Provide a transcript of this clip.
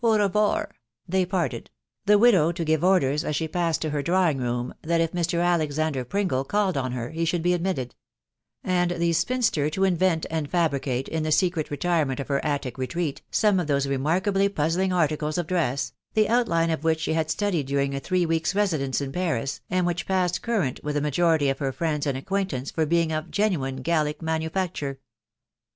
O revor" they patted .%•, tba 'tojIw 288 THE WIDOW BARNABY. to give orders, as she passed to her drawing room, that if Ml Alexander Pringle called on her, he should be admitted ; and the spinster to invent and fabricate, in the secret retirement of her attic retreat, some of those remarkably puzzling articles of dress, the outline of which she had studied during a three weeks' residence in Paris, and which passed current with die majority of her friends and acquaintance for being of genuine Gallic manufacture.